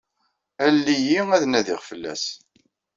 Alel-iyi ad nadiɣ fell-as.